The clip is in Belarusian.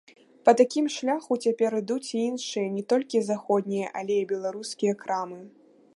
Па такім шляху цяпер ідуць і іншыя не толькі заходнія, але і беларускія крамы.